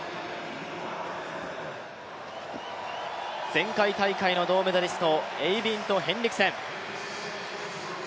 前回大会の銅メダリストエイビンド・ヘンリクセン。